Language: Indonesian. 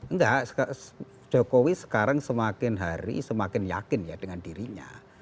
enggak jokowi sekarang semakin hari semakin yakin ya dengan dirinya